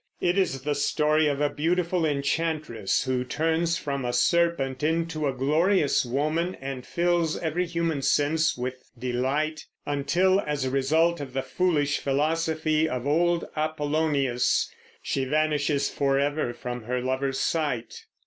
It is the story of a beautiful enchantress, who turns from a serpent into a glorious woman and fills every human sense with delight, until, as a result of the foolish philosophy of old Apollonius, she vanishes forever from her lover's sight.